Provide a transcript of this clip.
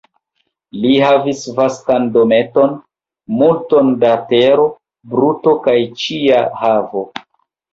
Li havis vastan dometon, multon da tero, bruto kaj ĉia havo.